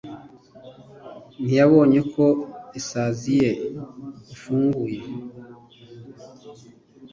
ntiyabonye ko isazi ye ifunguye.